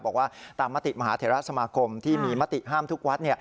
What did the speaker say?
บอกว่าตามมติมหาเทราสมาคมที่มีมติห้ามทุกวัด